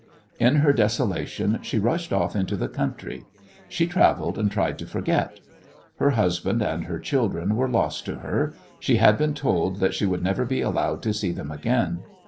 In her desolation she rushed off into the country; she travelled and tried to forget. Her husband and her children were lost to her; she had been told that she would never be allowed to see them again.